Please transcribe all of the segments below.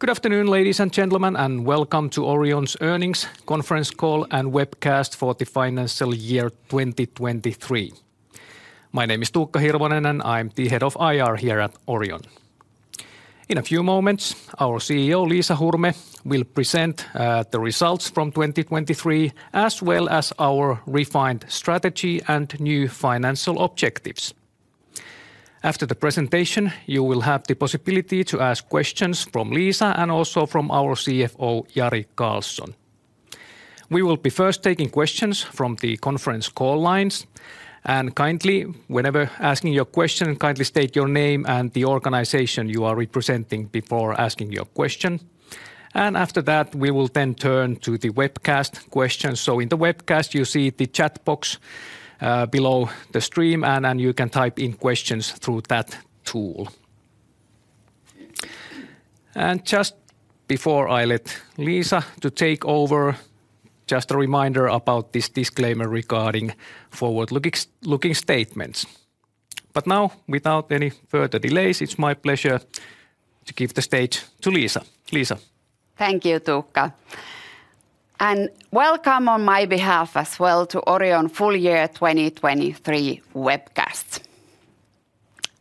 Good afternoon, ladies and gentlemen, and welcome to Orion's Earnings Conference Call and Webcast for the financial year 2023. My name is Tuukka Hirvonen, and I'm the Head of IR here at Orion. In a few moments, our CEO, Liisa Hurme, will present the results from 2023, as well as our refined strategy and new financial objectives. After the presentation, you will have the possibility to ask questions from Liisa and also from our CFO, Jari Karlson. We will be first taking questions from the conference call lines, and kindly, whenever asking your question, kindly state your name and the organization you are representing before asking your question. And after that, we will then turn to the webcast questions. So in the webcast, you see the chat box below the stream, and then you can type in questions through that tool. Just before I let Liisa take over, just a reminder about this disclaimer regarding forward-looking statements. But now, without any further delays, it's my pleasure to give the stage to Liisa. Liisa? Thank you, Tuukka, and welcome on my behalf as well to Orion full year 2023 webcast.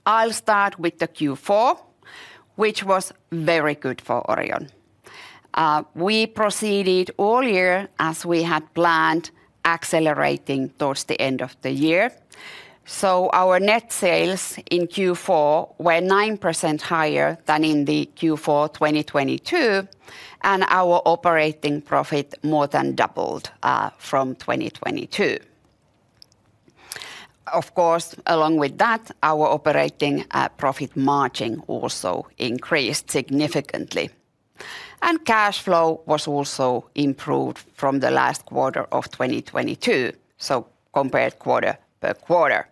I'll start with the Q4, which was very good for Orion. We proceeded all year as we had planned, accelerating towards the end of the year. So our net sales in Q4 were 9% higher than in the Q4 2022, and our operating profit more than doubled from 2022. Of course, along with that, our operating profit margin also increased significantly, and cash flow was also improved from the last quarter of 2022, so compared quarter per quarter.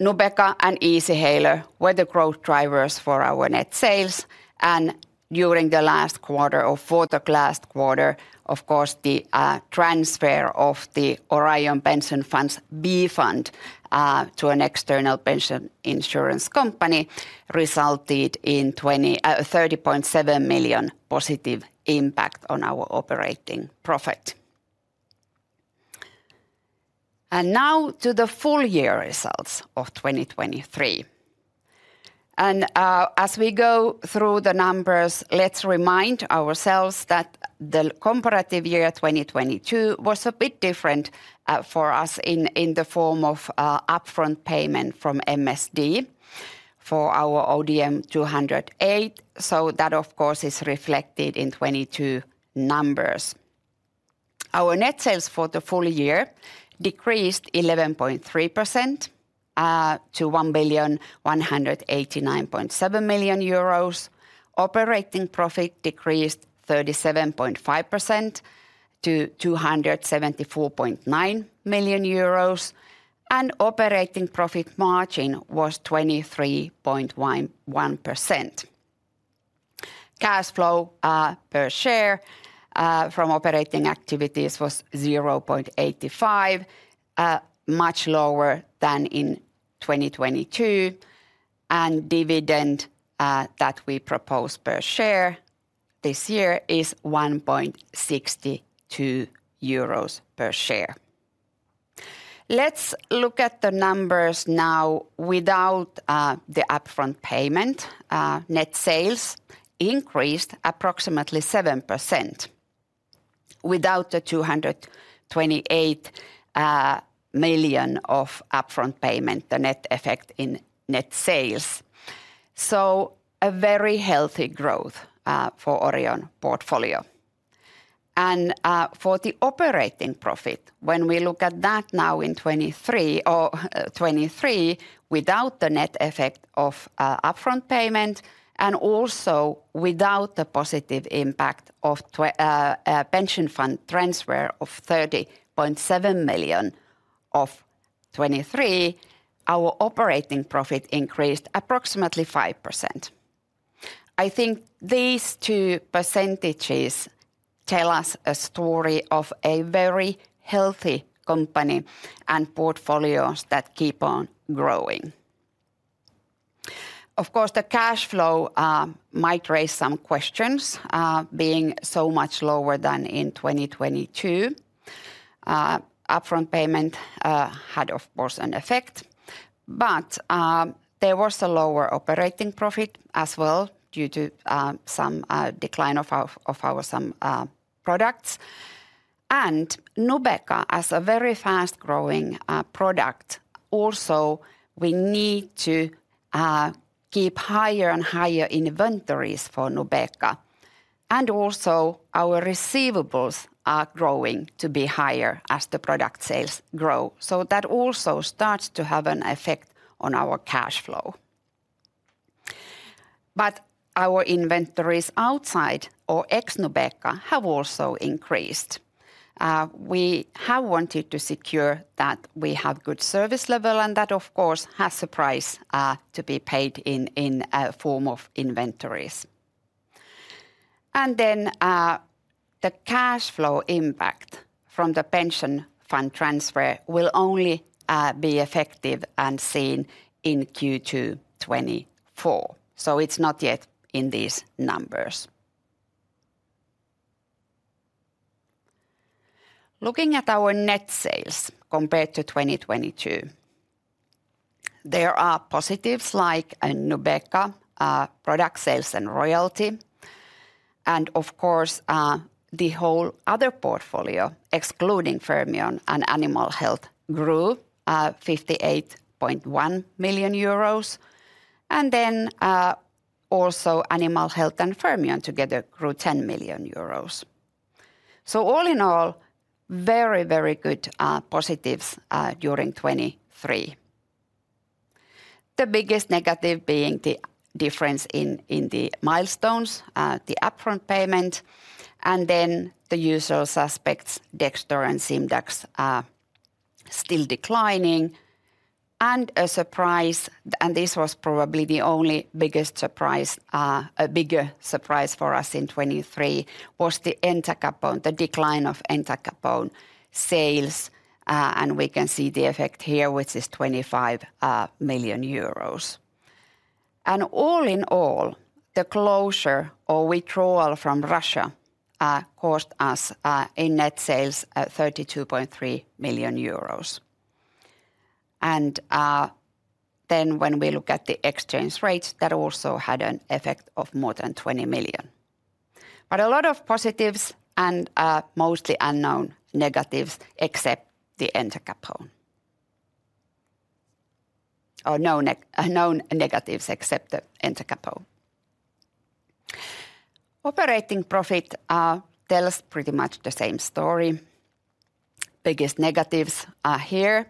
Nubeqa and Easyhaler were the growth drivers for our net sales, and during the last quarter... For the last quarter, of course, the transfer of the Orion Pension Funds B fund to an external pension insurance company resulted in 30.7 million positive impact on our operating profit. Now to the full year results of 2023. As we go through the numbers, let's remind ourselves that the comparative year, 2022, was a bit different for us in the form of a upfront payment from MSD for our ODM-208. So that, of course, is reflected in 2022 numbers. Our net sales for the full year decreased 11.3% to 1,189.7 million euros. Operating profit decreased 37.5% to 274.9 million euros, and operating profit margin was 23.1%. Cash flow per share from operating activities was 0.85 much lower than in 2022. Dividend that we propose per share this year is 1.62 euros per share. Let's look at the numbers now without the upfront payment. Net sales increased approximately 7% without the 228 million upfront payment, the net effect in net sales, so a very healthy growth for Orion portfolio. For the operating profit, when we look at that now in 2023, without the net effect of upfront payment, and also without the positive impact of pension fund transfer of 30.7 million in 2023, our operating profit increased approximately 5%. I think these two percentages tell us a story of a very healthy company and portfolios that keep on growing. Of course, the cash flow might raise some questions, being so much lower than in 2022. Upfront payment had, of course, an effect, but there was a lower operating profit as well due to some decline of our products. And Nubeqa, as a very fast-growing product, also we need to keep higher and higher inventories for Nubeqa, and also our receivables are growing to be higher as the product sales grow. So that also starts to have an effect on our cash flow. But our inventories outside, or ex Nubeqa, have also increased. We have wanted to secure that we have good service level, and that, of course, has a price to be paid in form of inventories, and then the cash flow impact from the pension fund transfer will only be effective and seen in Q2 2024, so it's not yet in these numbers. Looking at our net sales compared to 2022, there are positives like Nubeqa product sales and royalty, and of course the whole other portfolio, excluding Fermion and Animal Health, grew 58.1 million euros. Also, Animal Health and Fermion together grew 10 million euros. So all in all, very, very good positives during 2023. The biggest negative being the difference in the milestones, the upfront payment, and then the usual suspects, Dexdor and Simdax, are still declining. And a surprise, and this was probably the only biggest surprise, a bigger surprise for us in 2023, was the entacapone, the decline of entacapone sales, and we can see the effect here, which is 25 million euros. And all in all, the closure or withdrawal from Russia cost us in net sales 32.3 million euros. And then when we look at the exchange rates, that also had an effect of more than 20 million. But a lot of positives and mostly unknown negatives, except the entacapone. Or known negatives, except the entacapone. Operating profit tells pretty much the same story. Biggest negatives are here,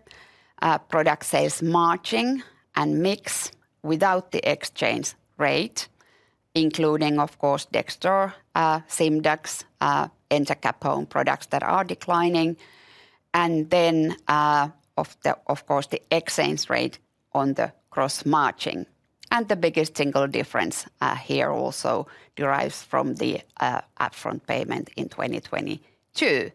product sales margin and mix without the exchange rate, including, of course, Dexdor, Simdax, entacapone, products that are declining. And then of the... Of course, the exchange rate on the gross margin. The biggest single difference here also derives from the upfront payment in 2022.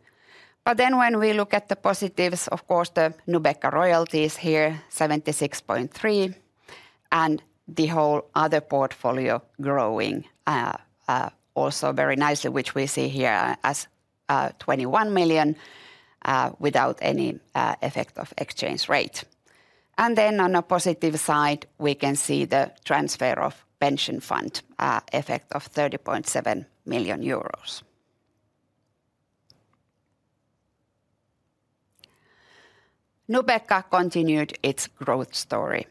But then when we look at the positives, of course, the Nubeqa royalties here, 76.3 million, and the whole other portfolio growing also very nicely, which we see here as 21 million without any effect of exchange rate. On a positive side, we can see the transfer of pension fund effect of 30.7 million euros. Nubeqa continued its growth story.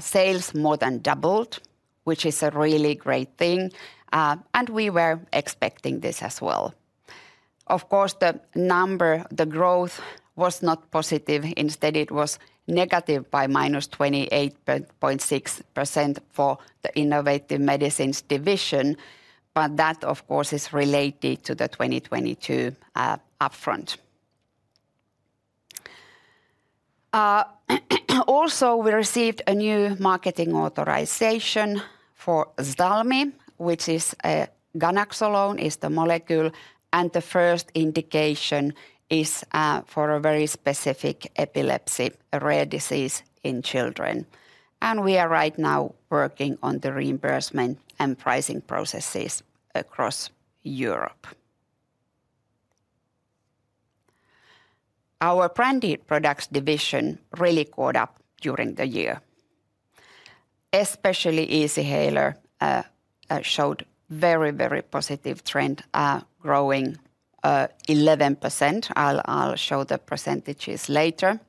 Sales more than doubled, which is a really great thing, and we were expecting this as well. Of course, the number, the growth, was not positive. Instead, it was negative by -28.6% for the Innovative Medicines division, but that, of course, is related to the 2022 upfront. Also, we received a new marketing authorization for Ztalmy (ganaxolone) is the molecule, and the first indication is for a very specific epilepsy, a rare disease in children. We are right now working on the reimbursement and pricing processes across Europe. Our Branded Products division really caught up during the year. Especially Easyhaler showed very, very positive trend, growing 11%. I'll show the percentages later.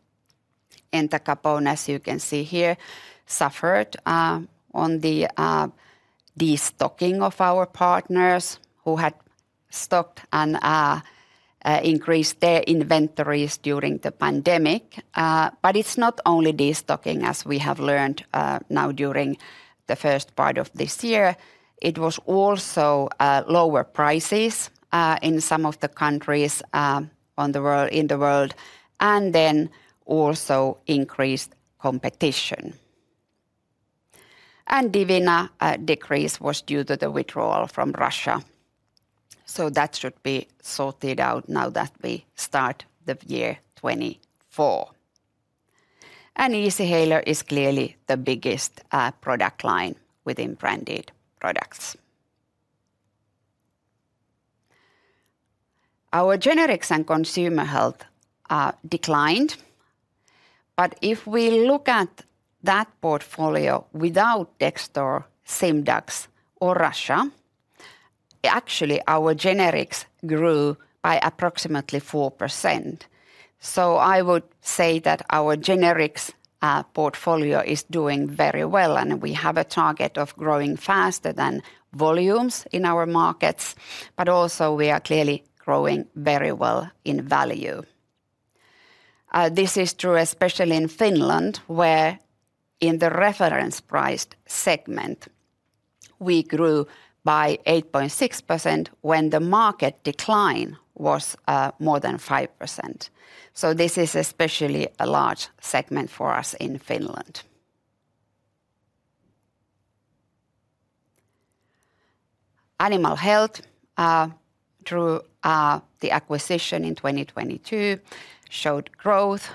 entacapone, as you can see here, suffered on the destocking of our partners who had stocked and increased their inventories during the pandemic. But it's not only destocking, as we have learned, now during the first part of this year. It was also lower prices in some of the countries in the world, and then also increased competition. And Divina decrease was due to the withdrawal from Russia, so that should be sorted out now that we start the year 2024. And Easyhaler is clearly the biggest product line within Branded Products. Our Generics and Consumer Health declined. But if we look at that portfolio without Dexdor, Simdax, or Russia, actually our generics grew by approximately 4%. So I would say that our Generics portfolio is doing very well, and we have a target of growing faster than volumes in our markets, but also we are clearly growing very well in value. This is true especially in Finland, where in the reference priced segment, we grew by 8.6% when the market decline was more than 5%. So this is especially a large segment for us in Finland. Animal Health, through the acquisition in 2022 showed growth.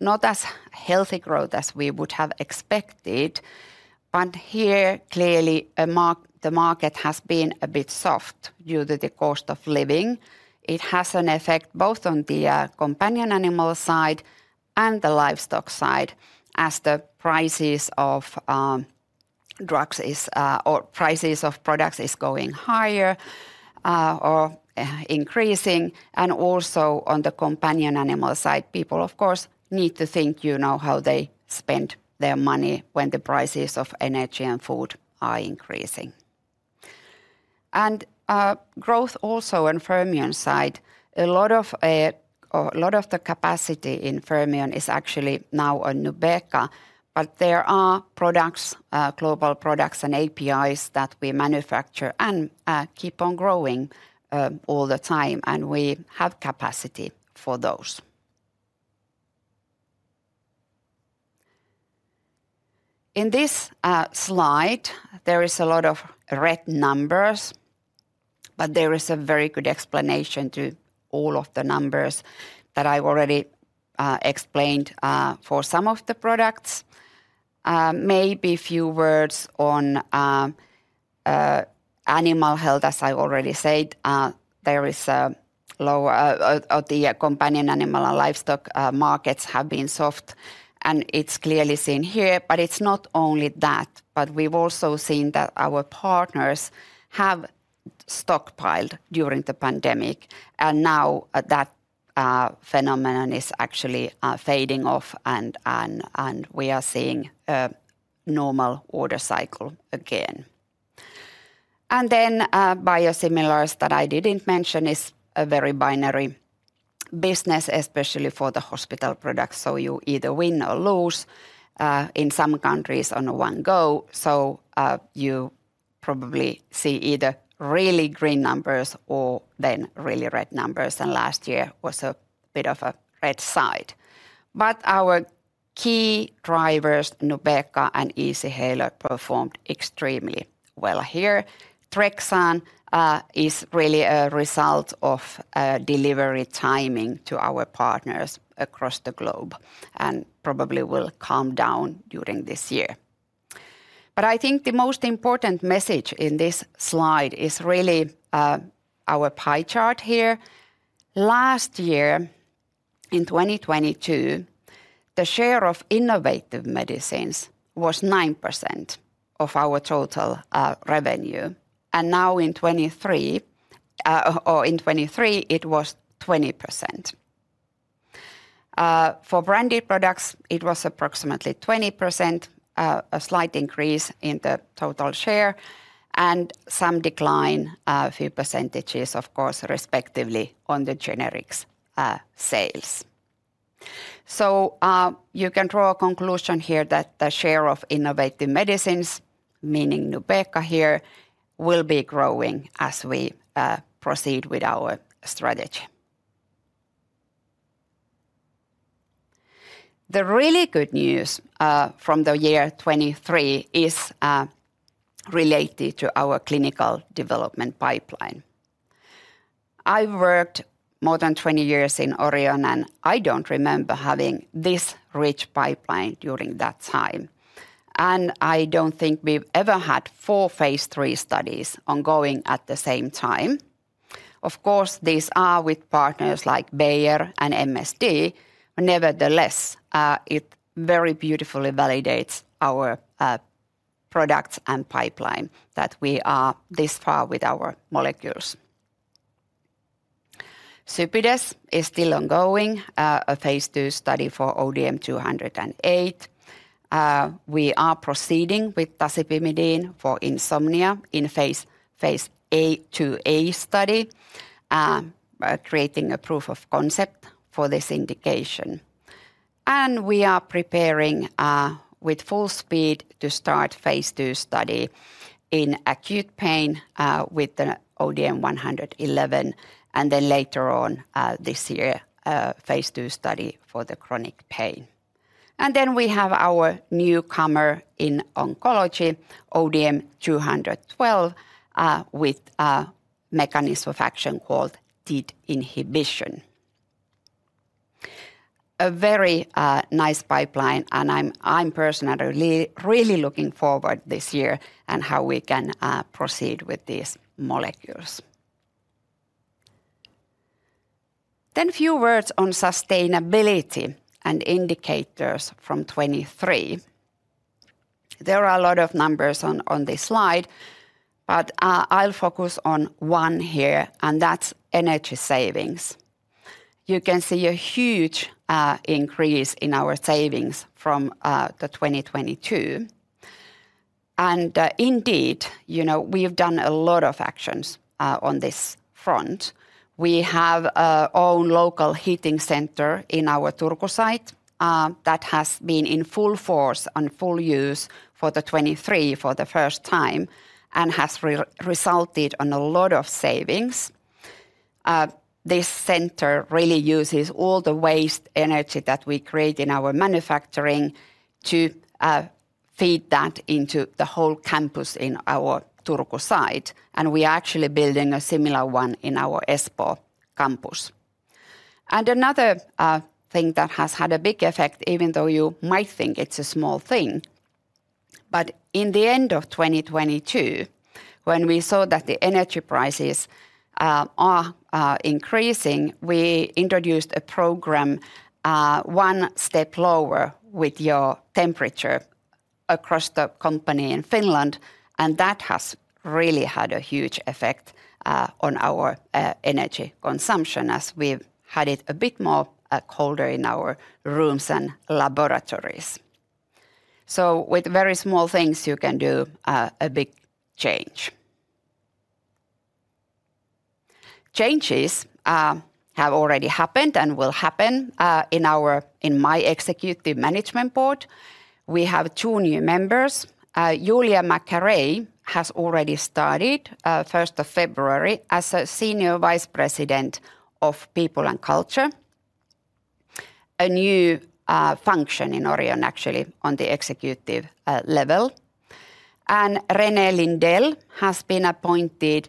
Not as healthy growth as we would have expected, but here, clearly, the market has been a bit soft due to the cost of living. It has an effect both on the companion animal side and the livestock side, as the prices of drugs is or prices of products is going higher or increasing. And also on the companion animal side, people, of course, need to think, you know, how they spend their money when the prices of energy and food are increasing. Growth also on Fermion side, a lot of, a lot of the capacity in Fermion is actually now on Nubeqa, but there are products, global products and APIs that we manufacture and, keep on growing, all the time, and we have capacity for those. In this, slide, there is a lot of red numbers, but there is a very good explanation to all of the numbers that I already, explained, for some of the products. Maybe a few words on, Animal Health. As I already said, there is a low, the companion animal and livestock, markets have been soft, and it's clearly seen here. But it's not only that, but we've also seen that our partners have stockpiled during the pandemic, and now that phenomenon is actually fading off, and we are seeing a normal order cycle again. And then, Biosimilars that I didn't mention is a very binary business, especially for the hospital products. So you either win or lose in some countries on one go. So you probably see either really green numbers or then really red numbers, and last year was a bit of a red side. But our key drivers, Nubeqa and Easyhaler, performed extremely well here. Trexan is really a result of delivery timing to our partners across the globe and probably will calm down during this year. But I think the most important message in this slide is really our pie chart here. Last year, in 2022, the share of innovative medicines was 9% of our total revenue, and now in 2023, or in 2023, it was 20%. For branded products, it was approximately 20%, a slight increase in the total share, and some decline, a few percentages, of course, respectively, on the generics sales. So, you can draw a conclusion here that the share of innovative medicines, meaning Nubeqa here, will be growing as we proceed with our strategy. The really good news from the year 2023 is related to our clinical development pipeline. I've worked more than 20 years in Orion, and I don't remember having this rich pipeline during that time, and I don't think we've ever had four Phase III studies ongoing at the same time. Of course, these are with partners like Bayer and MSD. Nevertheless, it very beautifully validates our products and pipeline, that we are this far with our molecules. CYPIDES is still ongoing, a Phase II study for ODM-208. We are proceeding with tasipimidine for insomnia in a Phase II study, creating a proof of concept for this indication. And we are preparing with full speed to start Phase II study in acute pain with the ODM-111, and then later on this year, a Phase II study for the chronic pain. And then we have our newcomer in oncology, ODM-212, with a mechanism of action called TEAD inhibition. A very nice pipeline, and I'm personally really looking forward this year and how we can proceed with these molecules. Then a few words on sustainability and indicators from 2023. There are a lot of numbers on this slide, but I'll focus on one here, and that's energy savings. You can see a huge increase in our savings from 2022. And indeed, you know, we have done a lot of actions on this front. We have our own local heating center in our Turku site that has been in full force and full use for 2023 for the first time and has resulted in a lot of savings. This center really uses all the waste energy that we create in our manufacturing to feed that into the whole campus in our Turku site, and we are actually building a similar one in our Espoo campus. Another thing that has had a big effect, even though you might think it's a small thing, but in the end of 2022, when we saw that the energy prices are increasing, we introduced a program, one step lower with your temperature across the company in Finland, and that has really had a huge effect on our energy consumption as we've had it a bit more colder in our rooms and laboratories. So with very small things, you can do a big change. Changes have already happened and will happen in our in my executive management board. We have two new members. Julia Macharey has already started first of February as a Senior Vice President of People and Culture, a new function in Orion, actually, on the executive level. René Lindell has been appointed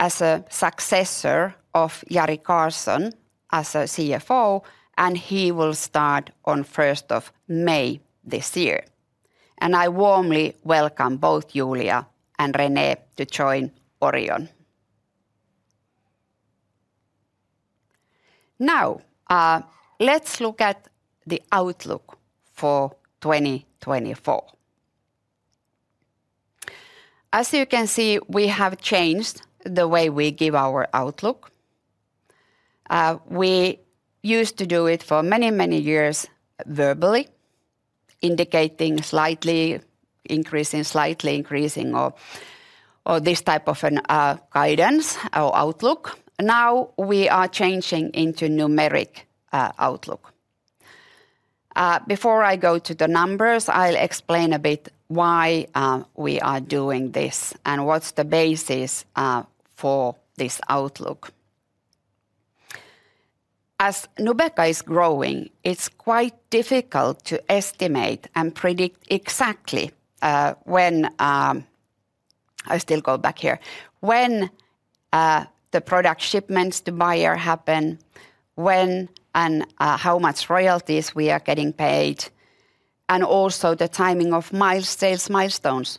as a successor of Jari Karlson as a CFO, and he will start on first of May this year. I warmly welcome both Julia and René to join Orion. Now, let's look at the outlook for 2024. As you can see, we have changed the way we give our outlook. We used to do it for many, many years verbally, indicating slightly increasing, slightly increasing or, or this type of an, guidance or outlook. Now we are changing into numeric, outlook. Before I go to the numbers, I'll explain a bit why, we are doing this and what's the basis, for this outlook. As Nubeqa is growing, it's quite difficult to estimate and predict exactly, when... I still go back here. When the product shipments to Bayer happen, when and how much royalties we are getting paid, and also the timing of sales milestones,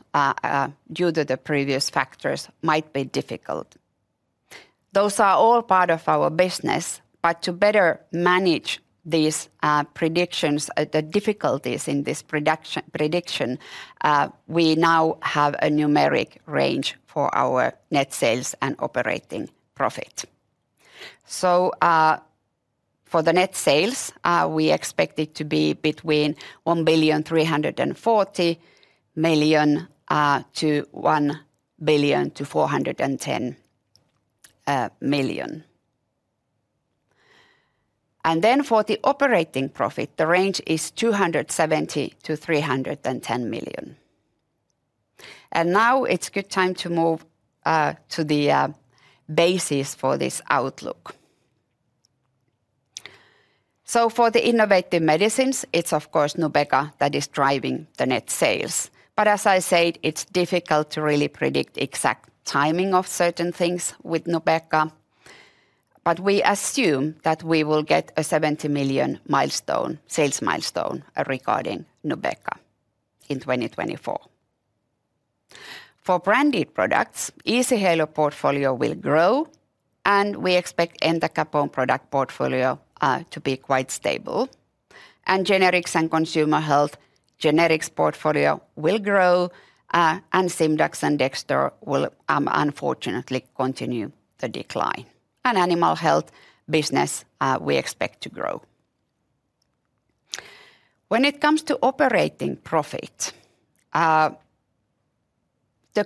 due to the previous factors, might be difficult. Those are all part of our business, but to better manage these predictions, the difficulties in this prediction, we now have a numeric range for our net sales and operating profit. So, for the net sales, we expect it to be between 1,340 million-1,410 million. And then for the operating profit, the range is 270 million-310 million. Now it's good time to move to the basis for this outlook. So for the innovative medicines, it's of course Nubeqa that is driving the net sales. But as I said, it's difficult to really predict exact timing of certain things with Nubeqa. But we assume that we will get a 70 million milestone, sales milestone, regarding Nubeqa in 2024. For branded products, Easyhaler portfolio will grow, and we expect Entacapone product portfolio to be quite stable. And generics and consumer health, generics portfolio will grow, and Simdax and Dexdor will unfortunately continue the decline. And animal health business, we expect to grow. When it comes to operating profit, the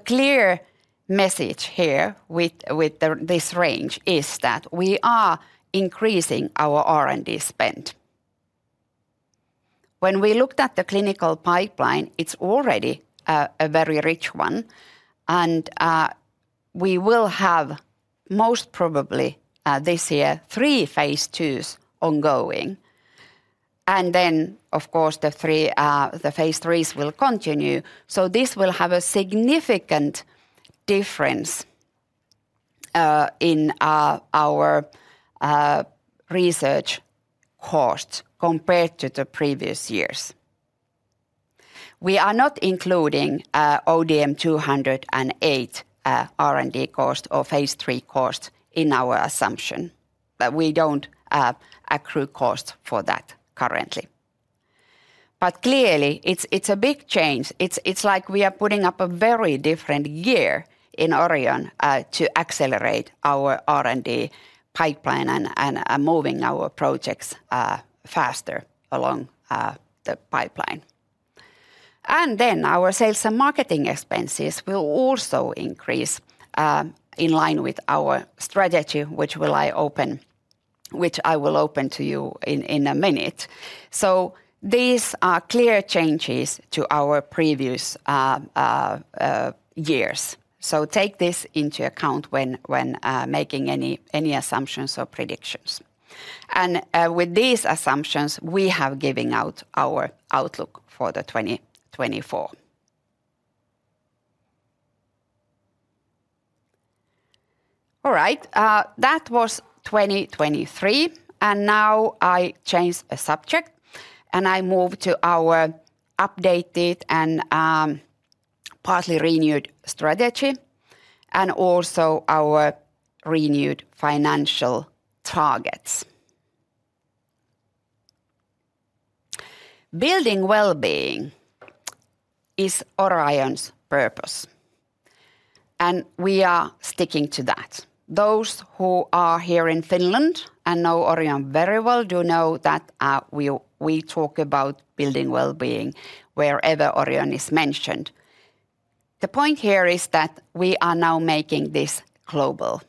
clear message here with, with the, this range is that we are increasing our R&D spend. When we looked at the clinical pipeline, it's already a very rich one, and we will have most probably this year, three phase twos ongoing. Of course, the three Phase III studies will continue. So this will have a significant difference in our research cost compared to the previous years. We are not including ODM-208 R&D cost or phase 3 cost in our assumption, but we don't accrue cost for that currently. But clearly, it's a big change. It's like we are putting up a very different gear in Orion to accelerate our R&D pipeline and moving our projects faster along the pipeline. And then our sales and marketing expenses will also increase in line with our strategy, which I will open to you in a minute. So these are clear changes to our previous years. So take this into account when making any assumptions or predictions. With these assumptions, we have given out our outlook for 2024. All right, that was 2023, and now I change the subject, and I move to our updated and partly renewed strategy, and also our renewed financial targets. Building wellbeing is Orion's purpose, and we are sticking to that. Those who are here in Finland and know Orion very well do know that we talk about building wellbeing wherever Orion is mentioned. The point here is that we are now making this global.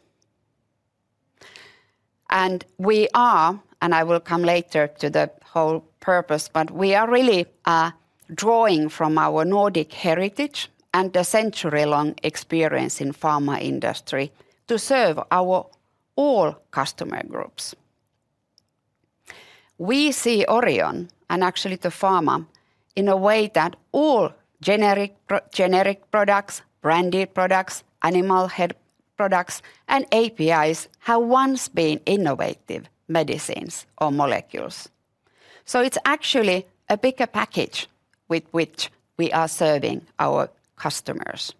We are, and I will come later to the whole purpose, but we are really drawing from our Nordic heritage and the century-long experience in pharma industry to serve our all customer groups. We see Orion, and actually the pharma, in a way that all generic products, branded products, animal health products, and APIs have once been innovative medicines or molecules. So it's actually a bigger package with which we are serving our customers.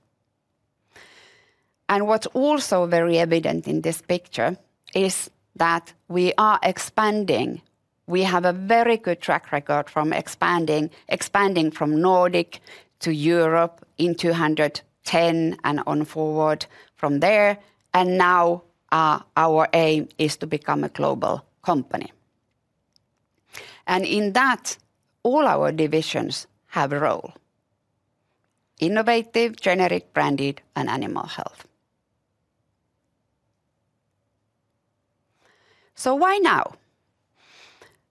And what's also very evident in this picture is that we are expanding. We have a very good track record from expanding, expanding from Nordic to Europe in 2010 and onward from there, and now, our aim is to become a global company. And in that, all our divisions have a role: innovative, generic, branded, and animal health. So why now?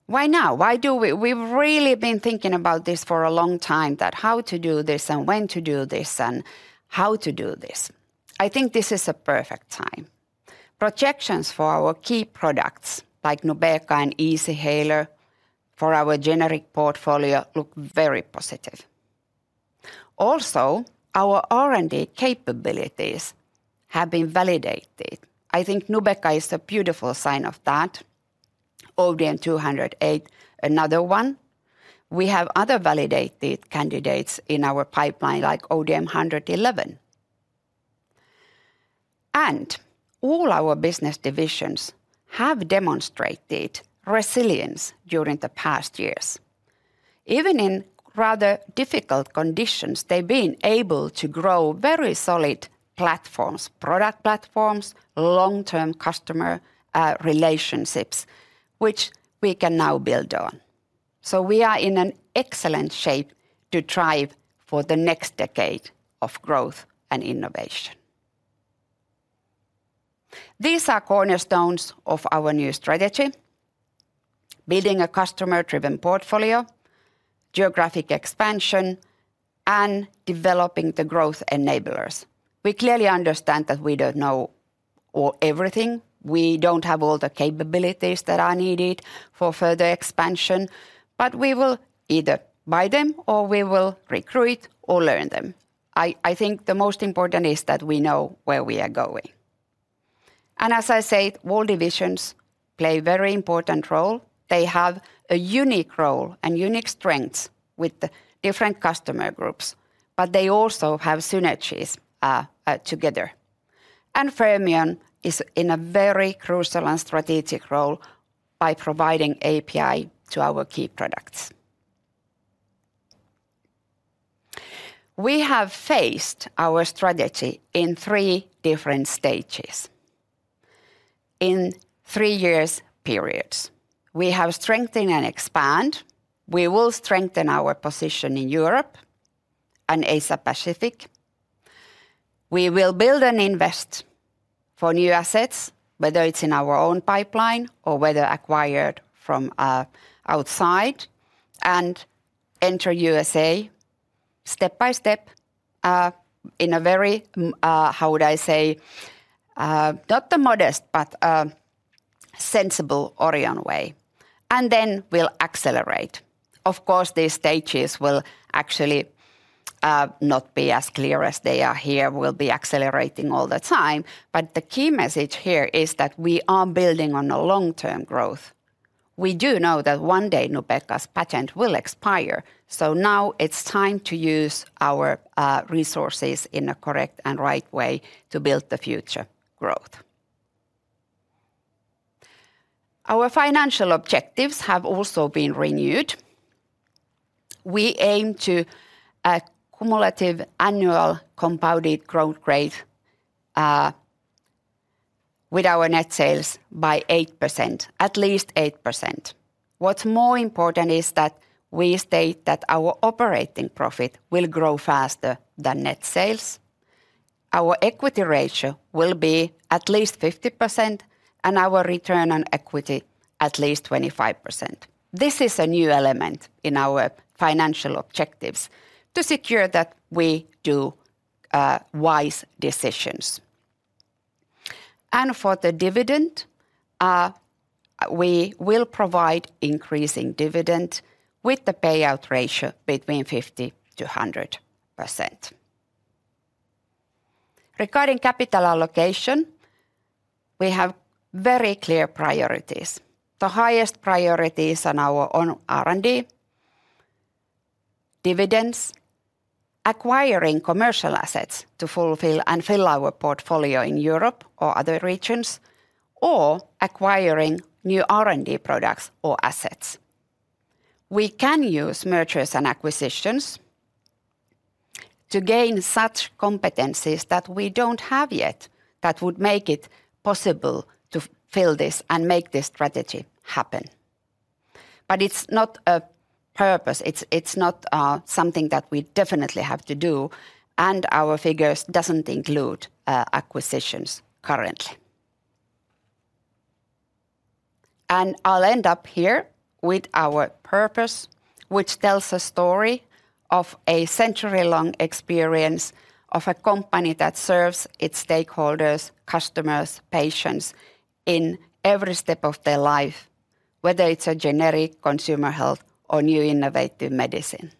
Why now? Why do we? We've really been thinking about this for a long time, that how to do this, and when to do this, and how to do this. I think this is a perfect time. Projections for our key products, like Nubeqa and Easyhaler, for our generic portfolio look very positive. Also, our R&D capabilities have been validated. I think Nubeqa is a beautiful sign of that. ODM-208, another one. We have other validated candidates in our pipeline, like ODM-111. And all our business divisions have demonstrated resilience during the past years. Even in rather difficult conditions, they've been able to grow very solid platforms, product platforms, long-term customer relationships, which we can now build on. So we are in an excellent shape to thrive for the next decade of growth and innovation. These are cornerstones of our new strategy: building a customer-driven portfolio, geographic expansion, and developing the growth enablers. We clearly understand that we don't know everything. We don't have all the capabilities that are needed for further expansion, but we will either buy them, or we will recruit or learn them. I think the most important is that we know where we are going. And as I said, all divisions play a very important role. They have a unique role and unique strengths with the different customer groups, but they also have synergies together. And Fermion is in a very crucial and strategic role by providing API to our key products. We have phased our strategy in three different stages. In three years periods, we have strengthened and expand. We will strengthen our position in Europe and Asia Pacific. We will build and invest for new assets, whether it's in our own pipeline or whether acquired from outside, and enter USA step by step in a very m- how would I say not the modest, but sensible Orion way, and then we'll accelerate. Of course, these stages will actually not be as clear as they are here. We'll be accelerating all the time, but the key message here is that we are building on a long-term growth. We do know that one day, Nubeqa's patent will expire, so now it's time to use our resources in a correct and right way to build the future growth. Our financial objectives have also been renewed. We aim to a cumulative annual compounded growth rate with our net sales by 8%, at least 8%. What's more important is that we state that our operating profit will grow faster than net sales. Our equity ratio will be at least 50%, and our return on equity at least 25%. This is a new element in our financial objectives to secure that we do wise decisions. For the dividend, we will provide increasing dividend with the payout ratio between 50%-100%. Regarding capital allocation, we have very clear priorities. The highest priorities on our own R&D, dividends, acquiring commercial assets to fulfill and fill our portfolio in Europe or other regions, or acquiring new R&D products or assets. We can use mergers and acquisitions to gain such competencies that we don't have yet, that would make it possible to fill this and make this strategy happen. But it's not a purpose. It's not something that we definitely have to do, and our figures doesn't include acquisitions currently. I'll end up here with our purpose, which tells a story of a century-long experience of a company that serves its stakeholders, customers, patients in every step of their life, whether it's a generic consumer health or new innovative medicine.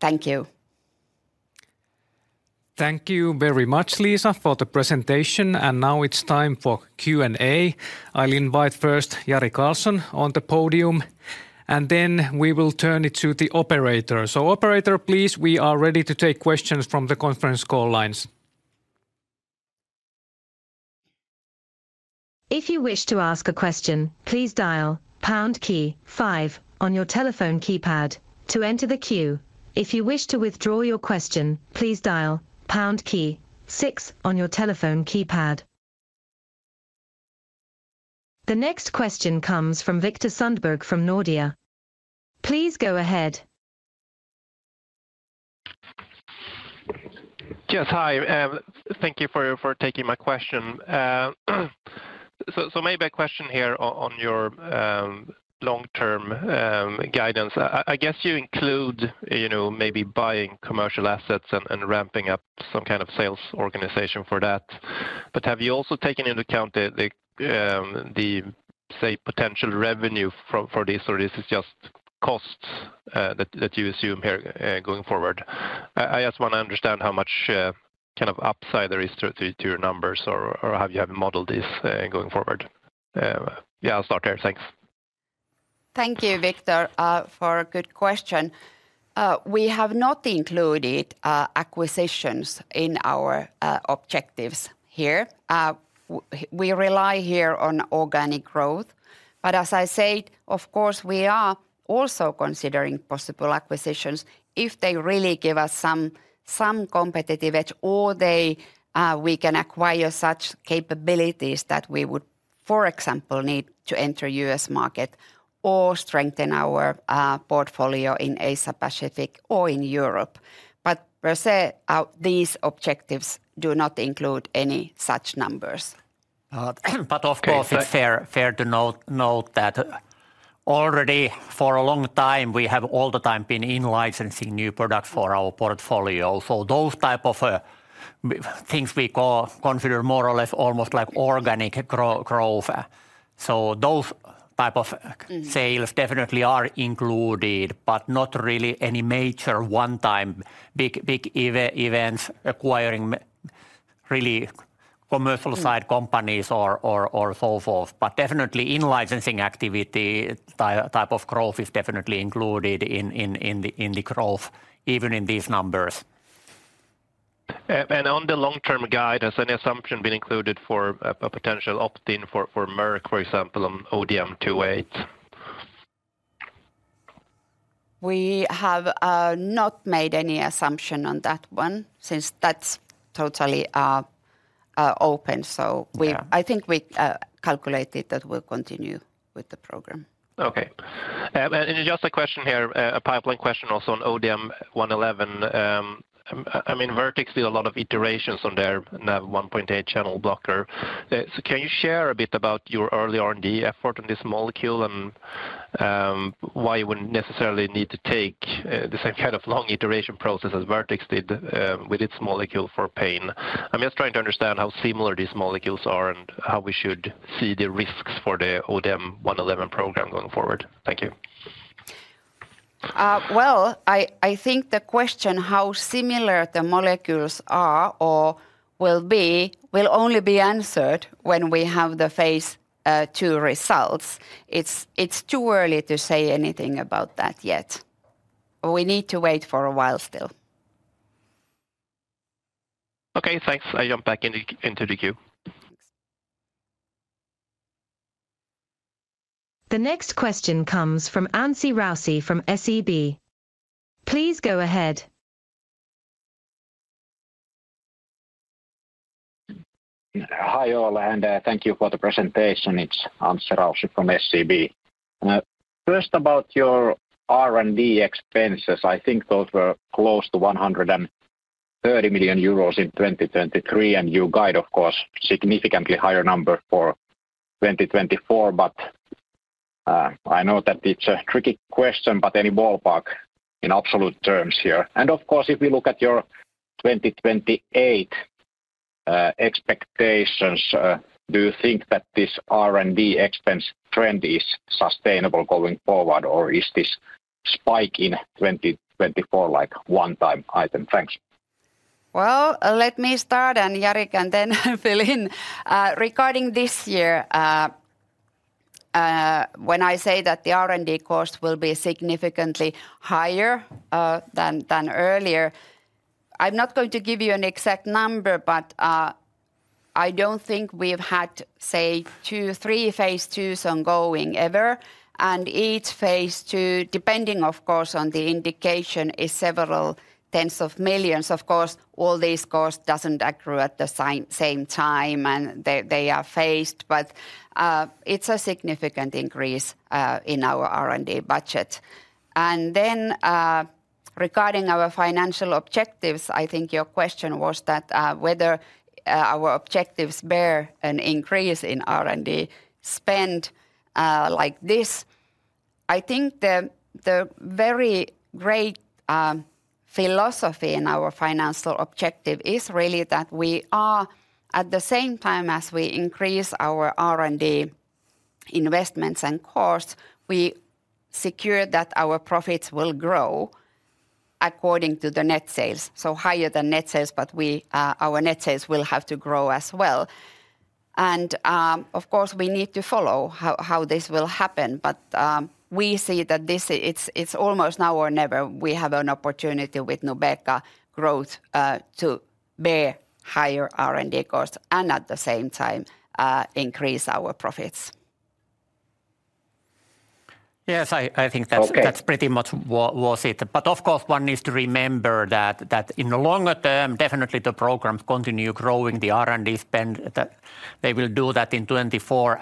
Thank you. Thank you very much, Liisa, for the presentation, and now it's time for Q&A. I'll invite first Jari Karlson on the podium, and then we will turn it to the operator. Operator, please, we are ready to take questions from the conference call lines. If you wish to ask a question, please dial pound key five on your telephone keypad to enter the queue. If you wish to withdraw your question, please dial pound key six on your telephone keypad. The next question comes from Viktor Sundberg from Nordea. Please go ahead. Yes, hi, thank you for taking my question. So maybe a question here on your long-term guidance. I guess you include, you know, maybe buying commercial assets and ramping up some kind of sales organization for that. But have you also taken into account the, say, potential revenue for this, or this is just costs that you assume here going forward? I just want to understand how much kind of upside there is to your numbers or how you have modeled this going forward. Yeah, I'll start there. Thanks. Thank you, Victor, for a good question. We have not included acquisitions in our objectives here. We rely here on organic growth, but as I said, of course, we are also considering possible acquisitions if they really give us some competitive edge, or we can acquire such capabilities that we would, for example, need to enter U.S. market or strengthen our portfolio in Asia Pacific or in Europe. But per se, these objectives do not include any such numbers. But of course, it's fair to note that already for a long time, we have all the time been in licensing new products for our portfolio. So those type of things we consider more or less almost like organic growth. So those type of sales- Mm-hmm... definitely are included, but not really any major one-time, big events, acquiring really commercial side companies or so forth. But definitely in-licensing activity type of growth is definitely included in the growth, even in these numbers. On the long-term guidance, any assumption being included for a potential opt-in for Merck, for example, on ODM-208? We have not made any assumption on that one since that's totally open. So we- Yeah. I think we calculated that we'll continue with the program. Okay. And just a question here, a pipeline question also on ODM-111. I mean, Vertex did a lot of iterations on their Nav1.8 channel blocker. So can you share a bit about your early R&D effort on this molecule, and why you wouldn't necessarily need to take the same kind of long iteration process as Vertex did with its molecule for pain? I'm just trying to understand how similar these molecules are and how we should see the risks for the ODM-111 program going forward. Thank you. Well, I think the question, how similar the molecules are or will be, will only be answered when we have the phase 2 results. It's too early to say anything about that yet. We need to wait for a while still. Okay, thanks. I jump back into the queue. The next question comes from Anssi Raussi from SEB. Please go ahead.... Hi, all, and thank you for the presentation. It's Anssi Raussi from SEB. First about your R&D expenses, I think those were close to 130 million euros in 2023, and you guide, of course, significantly higher number for 2024. I know that it's a tricky question, but any ballpark in absolute terms here? And of course, if we look at your 2028 expectations, do you think that this R&D expense trend is sustainable going forward, or is this spike in 2024 like one time item? Thanks. Well, let me start, and Jari can then fill in. Regarding this year, when I say that the R&D cost will be significantly higher than earlier, I'm not going to give you an exact number, but I don't think we've had, say, two, three phase 2s ongoing ever. And each phase 2, depending, of course, on the indication, is several tens of millions EUR. Of course, all this cost doesn't accrue at the same time, and they are phased, but it's a significant increase in our R&D budget. And then, regarding our financial objectives, I think your question was that whether our objectives bear an increase in R&D spend like this. I think the very great philosophy in our financial objective is really that we are at the same time as we increase our R&D investments and costs, we secure that our profits will grow according to the net sales, so higher than net sales, but we our net sales will have to grow as well. And, of course, we need to follow how this will happen, but we see that this is it's almost now or never. We have an opportunity with Nubeqa growth to bear higher R&D costs and at the same time increase our profits. Yes, I think that's- Okay. That's pretty much what it was. But of course, one needs to remember that in the longer term, definitely the programs continue growing the R&D spend, that they will do that in 2024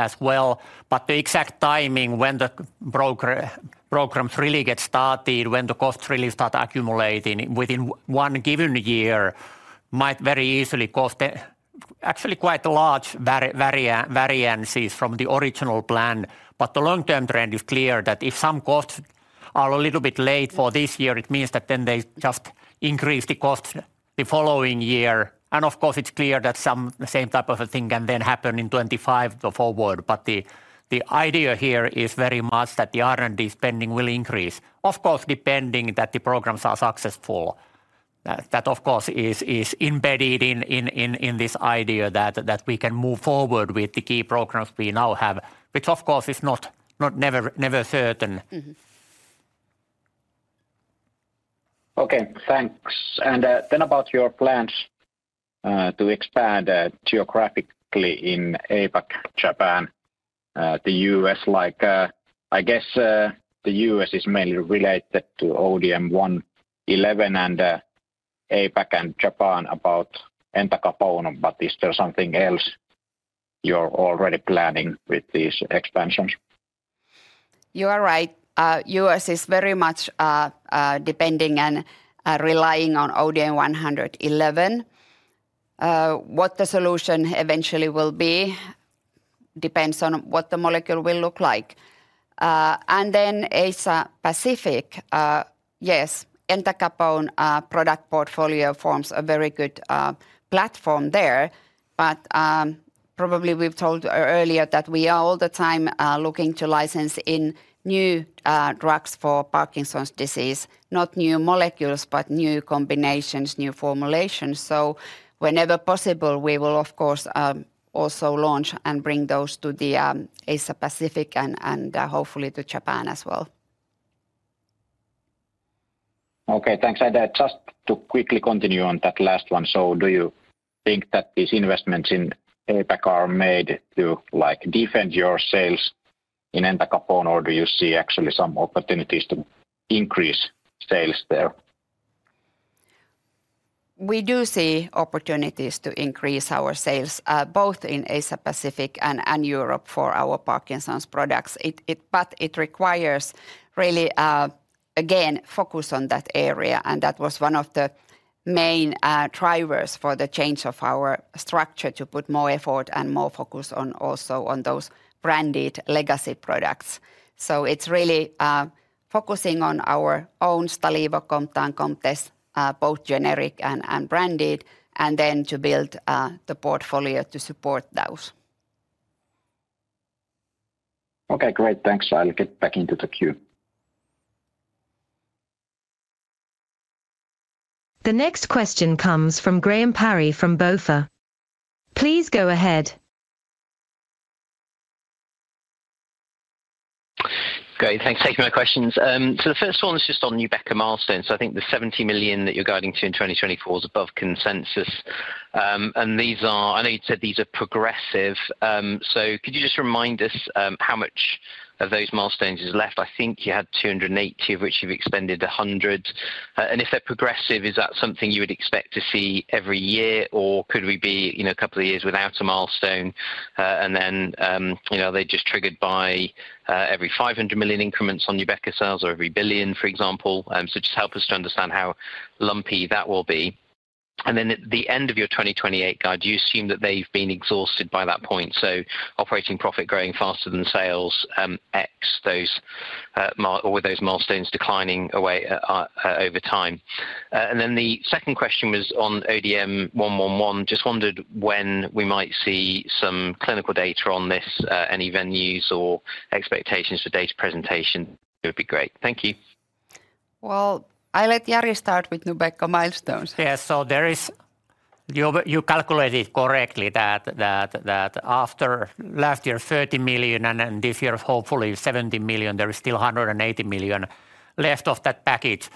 as well. But the exact timing when the programs really get started, when the costs really start accumulating within one given year, might very easily cause the actually quite large variances from the original plan. But the long-term trend is clear that if some costs are a little bit late for this year, it means that then they just increase the cost the following year. And of course, it's clear that the same type of a thing can then happen in 2025 going forward. But the idea here is very much that the R&D spending will increase, of course, depending that the programs are successful. That, of course, is embedded in this idea that we can move forward with the key programs we now have, which of course is never certain. Mm-hmm. Okay, thanks. And then about your plans to expand geographically in APAC, Japan, the U.S. Like, I guess, the U.S. is mainly related to ODM-111 and APAC and Japan about Entacapone, but is there something else you're already planning with these expansions? You are right. US is very much depending and relying on ODM-111. What the solution eventually will be depends on what the molecule will look like. And then Asia Pacific, yes, Entacapone product portfolio forms a very good platform there. But probably we've told earlier that we are all the time looking to license in new drugs for Parkinson's disease, not new molecules, but new combinations, new formulations. So whenever possible, we will of course also launch and bring those to the Asia Pacific and hopefully to Japan as well. Okay, thanks. And, just to quickly continue on that last one: so do you think that these investments in APAC are made to, like, defend your sales in Entacapone, or do you see actually some opportunities to increase sales there? We do see opportunities to increase our sales both in Asia Pacific and Europe for our Parkinson's products. But it requires really again focus on that area, and that was one of the main drivers for the change of our structure, to put more effort and more focus on also on those branded legacy products. So it's really focusing on our own Stalevo Comtan, Comtess both generic and branded, and then to build the portfolio to support those. Okay, great. Thanks. I'll get back into the queue. The next question comes from Graham Parry from BofA. Please go ahead.... Great, thanks for taking my questions. So the first one is just on Nubeqa milestones. I think the 70 million that you're guiding to in 2024 is above consensus. And these are—I know you said these are progressive. So could you just remind us how much of those milestones is left? I think you had 280, of which you've expended 100. And if they're progressive, is that something you would expect to see every year, or could we be, you know, a couple of years without a milestone? And then, you know, are they just triggered by every 500 million increments on Nubeqa sales or every 1 billion, for example? So just help us to understand how lumpy that will be. And then at the end of your 2028 guide, do you assume that they've been exhausted by that point? So operating profit growing faster than sales, ex those, or with those milestones declining away, over time. And then the second question was on ODM-111. Just wondered when we might see some clinical data on this, any venues or expectations for data presentation? It would be great. Thank you. Well, I let Jari start with Nubeqa milestones. Yeah. So there is... You calculated correctly that after last year, 30 million, and then this year, hopefully 70 million, there is still 180 million left of that package.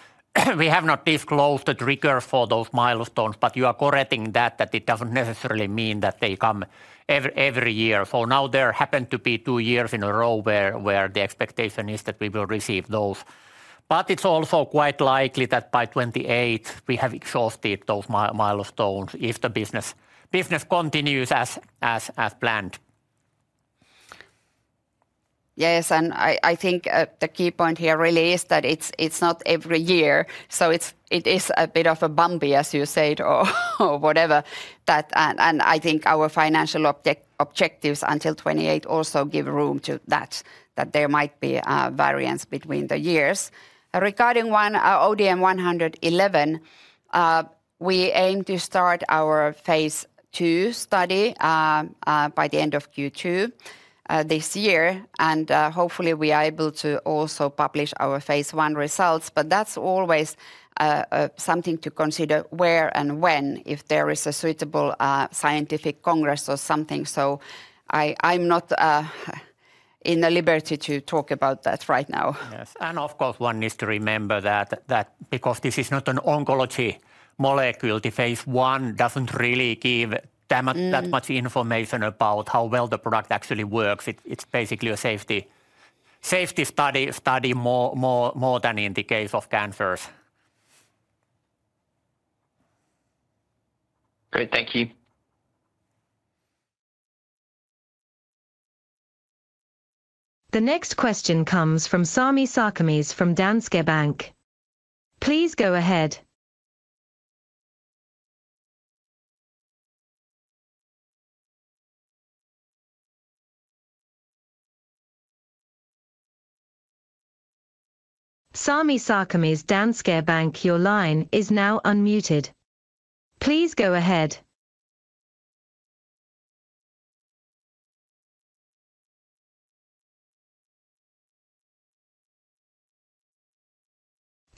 We have not disclosed the trigger for those milestones, but you are correct that it doesn't necessarily mean that they come every year. So now there happened to be two years in a row where the expectation is that we will receive those. But it's also quite likely that by 2028, we have exhausted those milestones if the business continues as planned. Yes, and I think the key point here really is that it's not every year, so it is a bit of a bumpy, as you said, or whatever. That and I think our financial objectives until 2028 also give room to that, that there might be a variance between the years. Regarding ODM-111, we aim to start our Phase II study by the end of Q2 this year. And hopefully, we are able to also publish our Phase I results, but that's always something to consider, where and when, if there is a suitable scientific congress or something. So I'm not at liberty to talk about that right now. Yes, and of course, one needs to remember that because this is not an oncology molecule, the Phase I doesn't really give them- Mm... that much information about how well the product actually works. It's basically a safety study more than in the case of cancers. Great. Thank you. The next question comes from Sami Sarkamies from Danske Bank. Please go ahead. Sami Sarkamies, Danske Bank, your line is now unmuted. Please go ahead.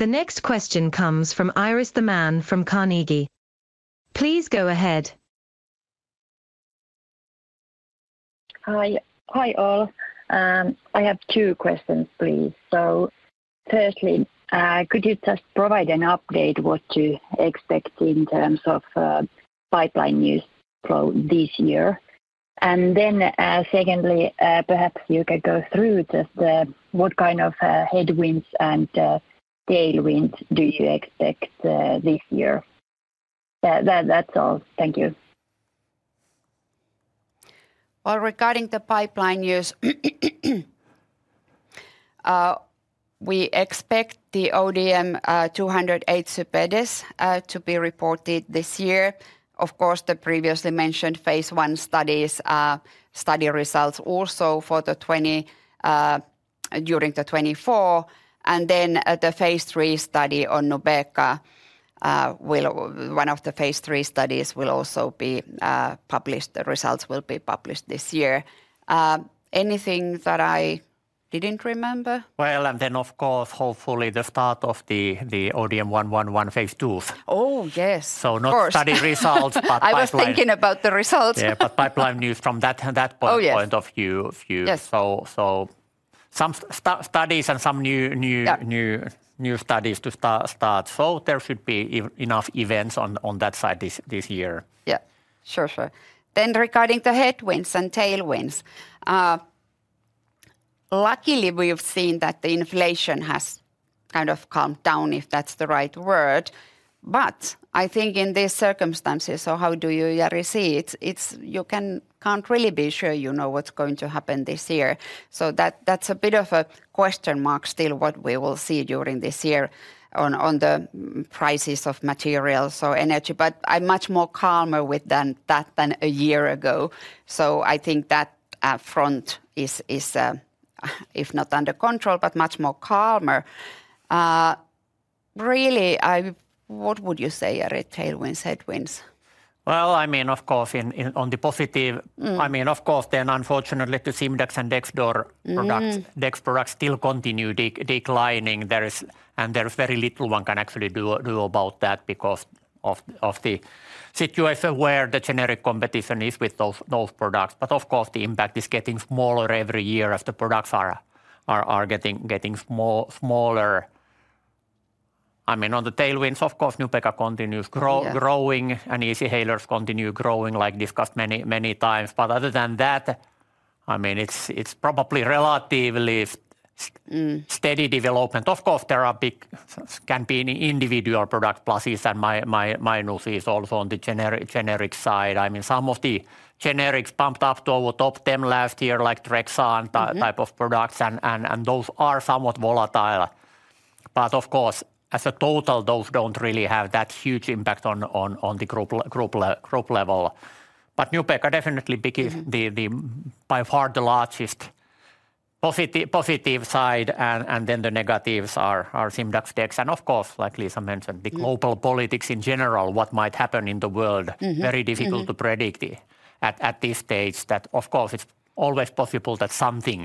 The next question comes from Iris Theman from Carnegie. Please go ahead. Hi. Hi, all. I have two questions, please. So firstly, could you just provide an update what you expect in terms of, pipeline news flow this year? And then, secondly, perhaps you could go through just, what kind of, headwinds and, tailwinds do you expect, this year? That, that's all. Thank you. Well, regarding the pipeline news, we expect the ODM-208 CYPIDES to be reported this year. Of course, the previously mentioned phase I studies, study results also during 2024, and then, the phase III study on Nubeqa will. One of the phase III studies will also be published. The results will be published this year. Anything that I didn't remember? Well, and then, of course, hopefully, the start of the ODM-111 phase II. Oh, yes, of course. So not study results, but pipeline- I was thinking about the results. Yeah, but pipeline news from that point... Oh, yes... point of view. Yes. So, some studies and some new Yeah... new studies to start. So there should be enough events on that side this year. Yeah. Sure. Sure. Then regarding the headwinds and tailwinds, luckily, we have seen that the inflation has kind of calmed down, if that's the right word. But I think in these circumstances, so how do you, Jari, see it? You can't really be sure you know what's going to happen this year. So that's a bit of a question mark still, what we will see during this year on the prices of materials or energy, but I'm much more calmer with than that than a year ago. So I think that front is, if not under control, but much more calmer. Really, what would you say, Jari, tailwinds, headwinds? Well, I mean, of course, in on the positive- Mm. I mean, of course, then unfortunately, the Simdax and Dexdor products- Mm... Dex products still continue declining. There is very little one can actually do about that because of the situation where the generic competition is with those products. But of course, the impact is getting smaller every year as the products are getting smaller. I mean, on the tailwinds, of course, Nubeqa continues growing- Yeah... and Easyhalers continue growing, like discussed many, many times. But other than that, I mean, it's probably relatively st- Mm... steady development. Of course, there are big can be an individual product pluses and minuses also on the generic side. I mean, some of the generics pumped up to overtop them last year, like Trexan- Mm-hmm... type of products, and those are somewhat volatile. But of course, as a total, those don't really have that huge impact on the group level. But Nubeqa definitely became- Mm-hmm... the by far the largest positive side, and then the negatives are Simdax. And of course, like Liisa mentioned- Mm... the global politics in general, what might happen in the world? Mm-hmm. Mm-hmm. Very difficult to predict it at this stage. That, of course, it's always possible that something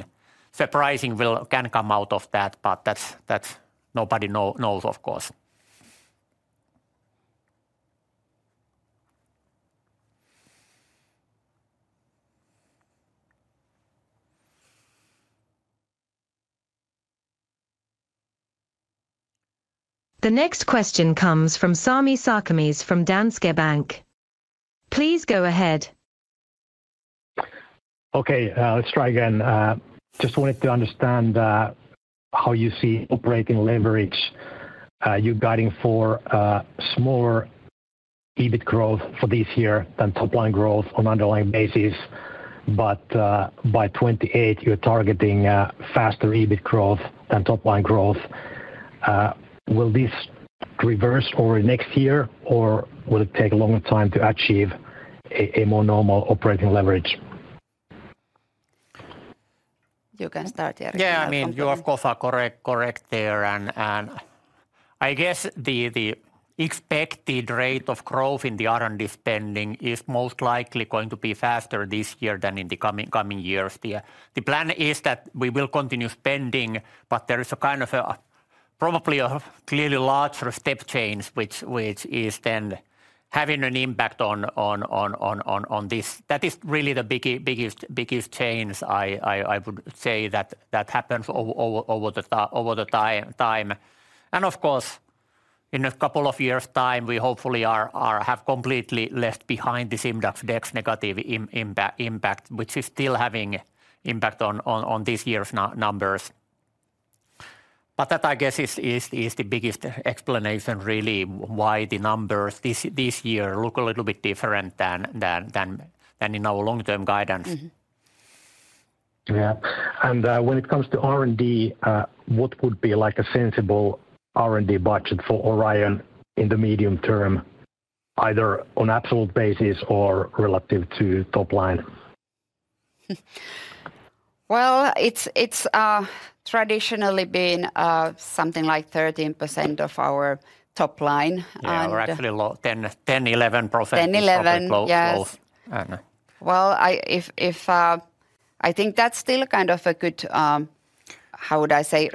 surprising can come out of that, but that's nobody knows, of course. The next question comes from Sami Sarkamies, from Danske Bank. Please go ahead. Okay, let's try again. Just wanted to understand how you see operating leverage. You're guiding for a smaller EBIT growth for this year than top line growth on underlying basis, but by 2028, you're targeting faster EBIT growth than top line growth. Will this reverse over next year, or will it take a long time to achieve a more normal operating leverage? You can start, Jari. Yeah, I mean, you are, of course, correct there. And I guess the expected rate of growth in the R&D spending is most likely going to be faster this year than in the coming years. The plan is that we will continue spending, but there is probably a clearly larger step change, which is then having an impact on this. That is really the biggest change I would say that happens over the time. And of course, in a couple of years' time, we hopefully have completely left behind the Simdax negative impact, which is still having impact on this year's numbers. But that, I guess, is the biggest explanation really why the numbers this year look a little bit different than in our long-term guidance. Mm-hmm. Yeah. When it comes to R&D, what would be like a sensible R&D budget for Orion in the medium term, either on absolute basis or relative to top line? Well, it's traditionally been something like 13% of our top line, and- Yeah, or actually 10, 10, 11%. Ten, eleven... profit growth. Yes. I don't know. Well, I think that's still kind of a good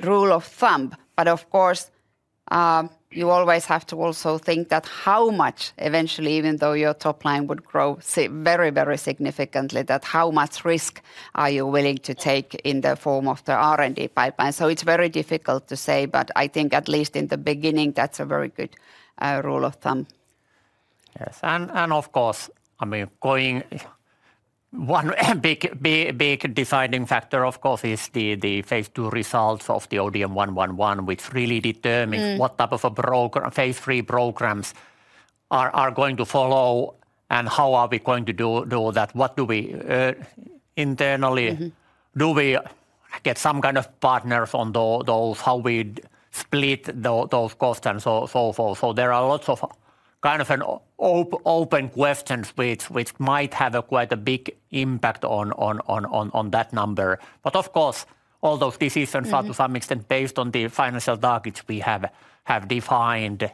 rule of thumb. But of course, you always have to also think that how much eventually, even though your top line would grow very, very significantly, that how much risk are you willing to take in the form of the R&D pipeline? So it's very difficult to say, but I think at least in the beginning, that's a very good rule of thumb. Yes. And of course, I mean, going one big, big, big deciding factor, of course, is the phase 2 results of the ODM-111, which really determines- Mm... what type of a program phase 3 programs are going to follow, and how are we going to do that? What do we internally- Mm-hmm... do we get some kind of partners on those, how we split those costs and so forth? So there are lots of, kind of, an open questions which might have quite a big impact on that number. But of course, all those decisions- Mm-hmm... are to some extent based on the financial targets we have defined,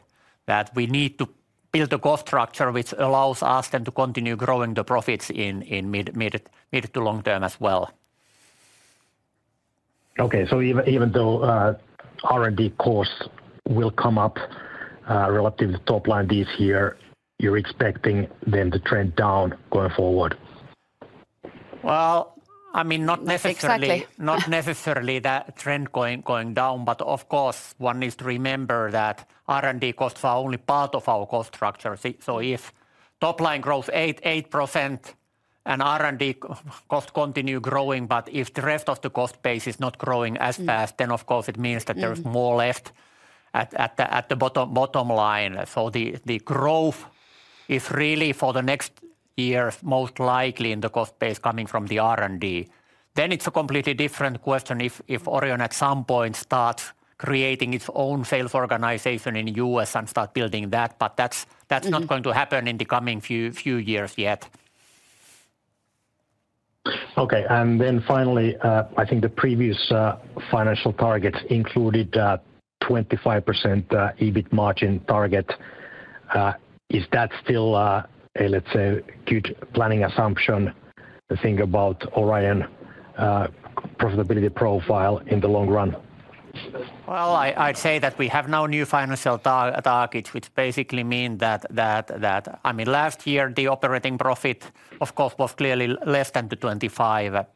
that we need to build a cost structure which allows us then to continue growing the profits in mid- to long-term as well. Okay. So even though R&D costs will come up relative to top line this year, you're expecting them to trend down going forward? Well, I mean, not necessarily. Exactly. Not necessarily that trend going down, but of course, one needs to remember that R&D costs are only part of our cost structure. So if top line grows 8% and R&D cost continue growing, but if the rest of the cost base is not growing as fast- Mm... then, of course, it means that there's- Mm... more left at the bottom line. So the growth is really for the next year, most likely in the cost base coming from the R&D. Then it's a completely different question if Orion at some point starts creating its own sales organization in the U.S. and start building that, but that's- Mm... that's not going to happen in the coming few years yet. Okay. Finally, I think the previous financial targets included 25% EBIT margin target. Is that still, let's say, good planning assumption to think about Orion profitability profile in the long run? Well, I'd say that we have now new financial targets, which basically mean that, that, that... I mean, last year, the operating profit, of course, was clearly less than the 25...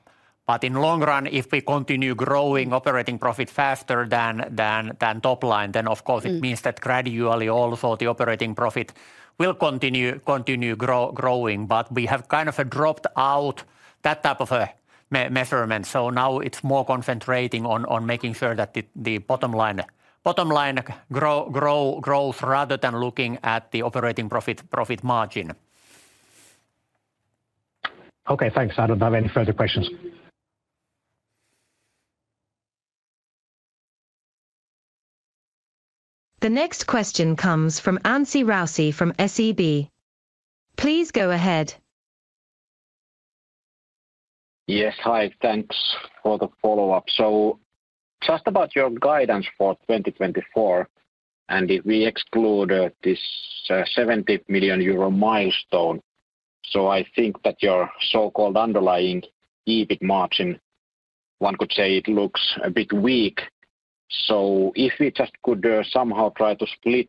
But in long run, if we continue growing operating profit faster than, than, than top line, then of course it means that gradually also the operating profit will continue, continue growing. But we have kind of dropped out that type of a measurement, so now it's more concentrating on, on making sure that the, the bottom line, bottom line grows rather than looking at the operating profit, profit margin. Okay, thanks. I don't have any further questions. The next question comes from Anssi Raussi from SEB. Please go ahead. Yes, hi, thanks for the follow-up. So just about your guidance for 2024, and if we exclude this 70 million euro milestone. So I think that your so-called underlying EBIT margin, one could say it looks a bit weak. So if we just could somehow try to split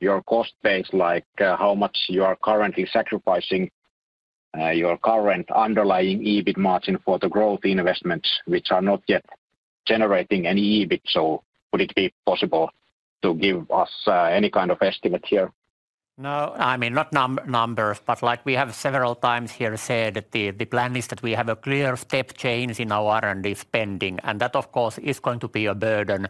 your cost base, like, how much you are currently sacrificing your current underlying EBIT margin for the growth investments, which are not yet generating any EBIT. So would it be possible to give us any kind of estimate here? No, I mean, not numbers, but like we have several times here said, the plan is that we have a clear step change in our R&D spending, and that, of course, is going to be a burden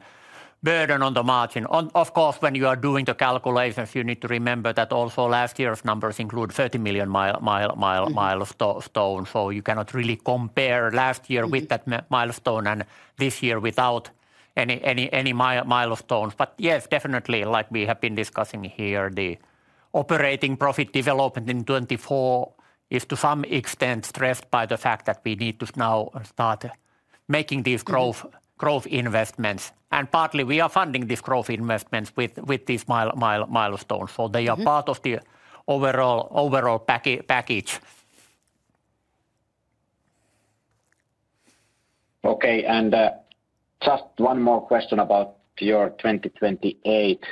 on the margin. Of course, when you are doing the calculations, you need to remember that also last year's numbers include 30 million milestone, so you cannot really compare last year- Mm-hmm... with that milestone and this year without any milestones. But yes, definitely, like we have been discussing here, the operating profit development in 2024 is, to some extent, stressed by the fact that we need to now start making these growth- Mm-hmm... growth investments. Partly, we are funding these growth investments with this milestone. Mm-hmm. So they are part of the overall package. Okay, and, just one more question about your 2028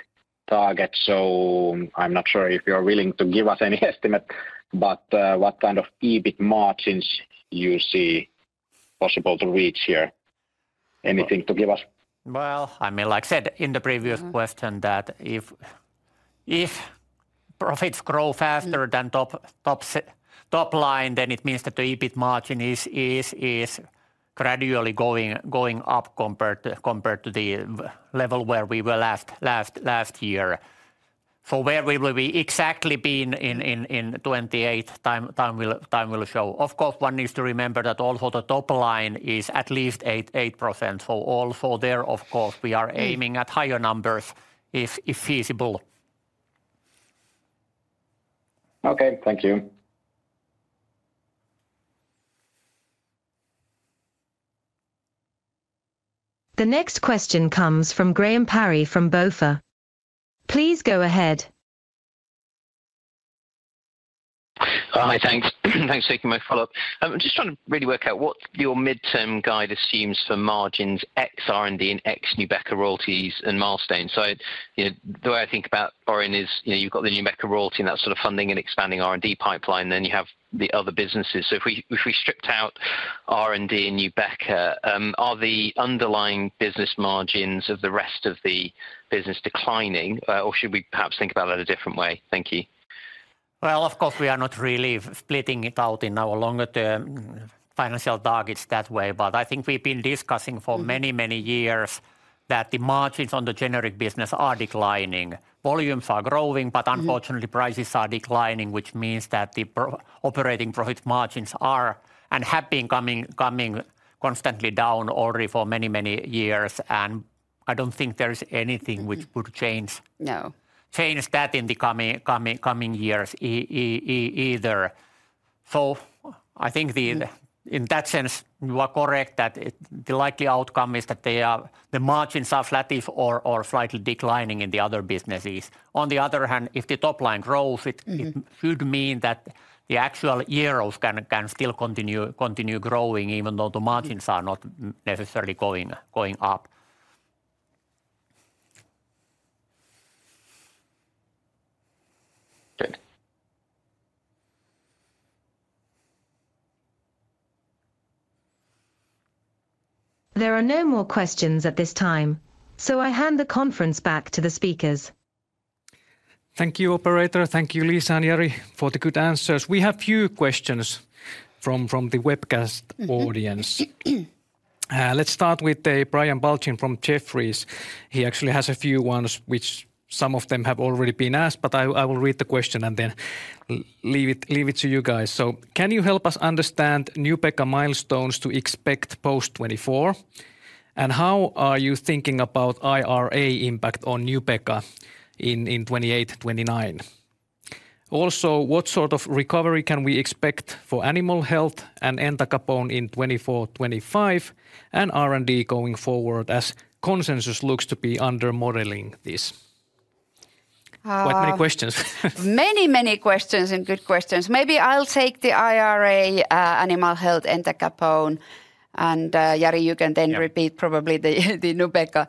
target. So I'm not sure if you're willing to give us any estimate, but, what kind of EBIT margins you see possible to reach here? Anything to give us? Well, I mean, like I said in the previous- Mm-hmm... question, that if profits grow faster- Mm... than top line, then it means that the EBIT margin is gradually going up compared to the level where we were last year. For where we will be exactly in 2028, time will show. Of course, one needs to remember that also the top line is at least 8%, so also there, of course, we are aiming- Mm... at higher numbers if feasible. Okay, thank you. The next question comes from Graham Parry from BofA. Please go ahead. Hi, thanks. Thanks for taking my follow-up. I'm just trying to really work out what your midterm guide assumes for margins ex R&D and ex Nubeqa royalties and milestones. So, you know, the way I think about Orion is, you know, you've got the Nubeqa royalty and that sort of funding and expanding R&D pipeline, then you have the other businesses. So if we, if we stripped out R&D and Nubeqa, are the underlying business margins of the rest of the business declining, or should we perhaps think about that a different way? Thank you. Well, of course, we are not really splitting it out in our longer term financial targets that way, but I think we've been discussing for many, many years that the margins on the generic business are declining. Volumes are growing- Mm-hmm... but unfortunately, prices are declining, which means that the operating profit margins are, and have been coming constantly down already for many, many years, and I don't think there is anything which- Mm-hmm... would change- No... change that in the coming years either. So I think the- Mm ... in that sense, you are correct that the likely outcome is that the margins are flatish or slightly declining in the other businesses. On the other hand, if the top line grows, it- Mm-hmm... it could mean that the actual euros can still continue growing, even though the margins are not necessarily going up. Okay. There are no more questions at this time, so I hand the conference back to the speakers. Thank you, operator. Thank you, Liisa and Jari, for the good answers. We have few questions from the webcast audience. Mm-hmm. Let's start with Brian Balchin from Jefferies. He actually has a few ones, which some of them have already been asked, but I will read the question and then leave it to you guys. "So can you help us understand Nubeqa milestones to expect post 2024? And how are you thinking about IRA impact on Nubeqa in 2028, 2029? Also, what sort of recovery can we expect for Animal Health and Entacapone in 2024, 2025, and R&D going forward, as consensus looks to be under modeling this? Uh- Quite many questions. Many, many questions, and good questions. Maybe I'll take the IRA, Animal Health, Entacapone, and, Jari, you can then- Yeah... repeat probably the Nubeqa.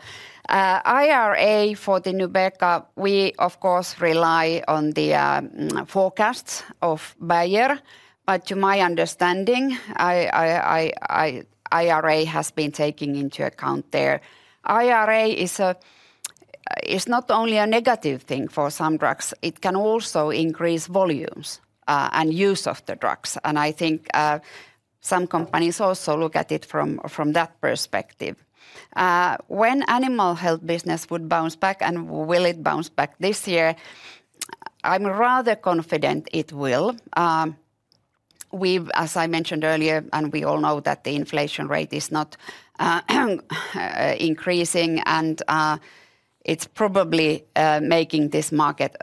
IRA for the Nubeqa, we, of course, rely on the forecasts of Bayer, but to my understanding, IRA has been taking into account there. IRA is a-... it's not only a negative thing for some drugs, it can also increase volumes and use of the drugs. And I think some companies also look at it from, from that perspective. When animal health business would bounce back, and will it bounce back this year? I'm rather confident it will. As I mentioned earlier, and we all know that the inflation rate is not increasing, and it's probably making this market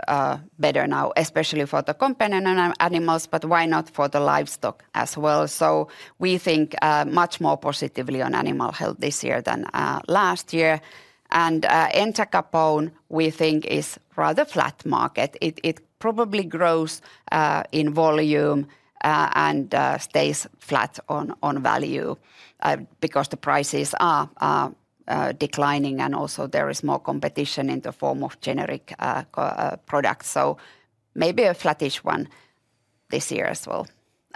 better now, especially for the companion animals, but why not for the livestock as well? So we think much more positively on animal health this year than last year. And Entacapone, we think, is rather flat market. It probably grows in volume and stays flat on value because the prices are declining, and also there is more competition in the form of generic copy products. So maybe a flattish one this year as well.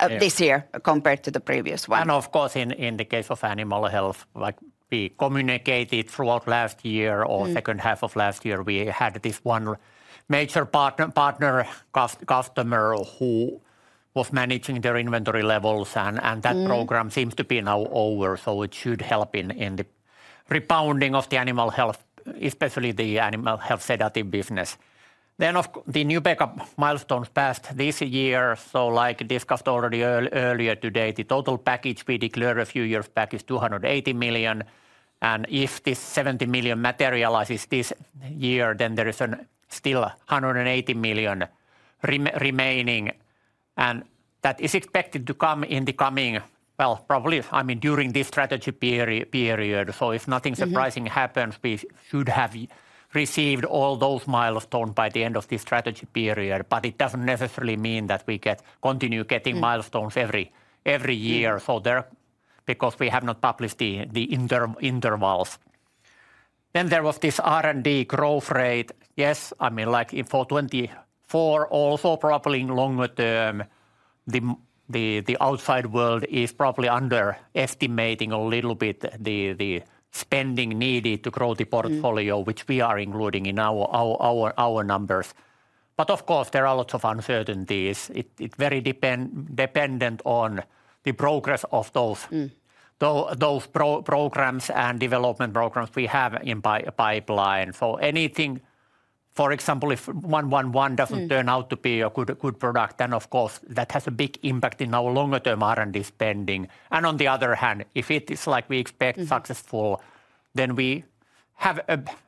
Yeah... this year compared to the previous one. Of course, in the case of animal health, like we communicated throughout last year- Mm ...or second half of last year, we had this one major partner, customer who was managing their inventory levels, and, and- Mm... that program seems to be now over, so it should help in the rebounding of the animal health, especially the animal health sedative business. Then the Nubeqa milestones passed this year, so like discussed already earlier today, the total package we declared a few years back is 280 million, and if this 70 million materializes this year, then there is still 180 million remaining, and that is expected to come in the coming... Well, probably, I mean, during this strategy period. So if nothing surprising- Mm... happens, we should have received all those milestone by the end of this strategy period. But it doesn't necessarily mean that we get continue getting- Mm... milestones every year. Mm. There, because we have not published the interim intervals. Then there was this R&D growth rate. Yes, I mean, like for 2024, also probably in longer term, the outside world is probably underestimating a little bit the spending needed to grow the portfolio- Mm... which we are including in our numbers. But of course, there are lots of uncertainties. It very dependent on the progress of those- Mm... those programs and development programs we have in pipeline. So anything, for example, if 111 doesn't- Mm... turn out to be a good, good product, then, of course, that has a big impact in our longer term R&D spending. And on the other hand, if it is like we expect- Mm... successful, then we have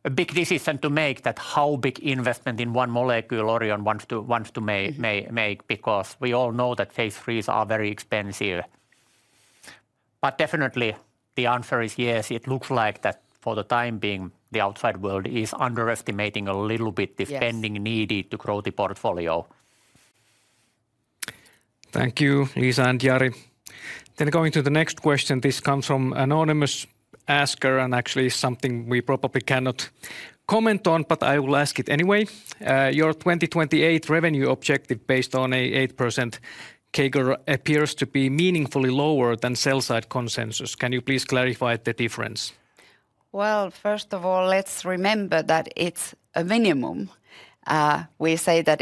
a big decision to make that how big investment in one molecule Orion wants to make? Mm. Because we all know that Phase 3s are very expensive. Definitely, the answer is yes. It looks like that, for the time being, the outside world is underestimating a little bit— Yes... the spending needed to grow the portfolio. Thank you, Liisa and Jari. Then going to the next question, this comes from anonymous asker, and actually is something we probably cannot comment on, but I will ask it anyway. "Your 2028 revenue objective, based on an 8% CAGR, appears to be meaningfully lower than sell-side consensus. Can you please clarify the difference? Well, first of all, let's remember that it's a minimum. We say that